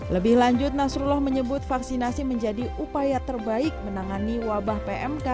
lebih lanjut nasrullah menyebut vaksinasi menjadi upaya terbaik menangani wabah pmk